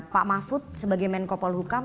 pak mahfud sebagai menkopol hukam